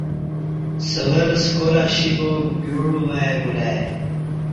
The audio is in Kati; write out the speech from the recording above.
سوہ رہ سکال اشی با گیوع وای بولے